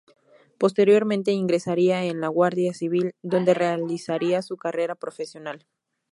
Posteriormente ingresaría en la Guardia Civil, donde realizaría su carrera profesional.